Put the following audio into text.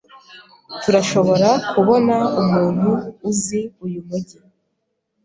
Turashobora kubona umuntu uzi uyu mujyi?